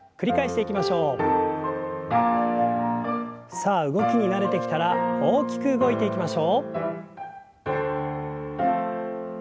さあ動きに慣れてきたら大きく動いていきましょう。